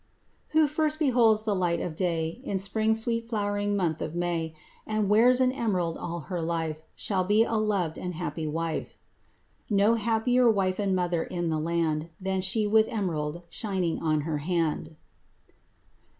Who first beholds the light of day In spring's sweet flow'ry month of May, And wears an emerald all her life, Shall be a loved and happy wife. No happier wife and mother in the land Than she with emerald shining on her hand.